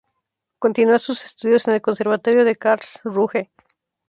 Continúa sus estudios en el conservatorio de Karlsruhe.